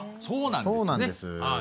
そうなんです。